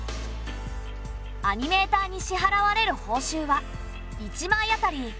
アニメーターに支払われる報酬は１枚あたり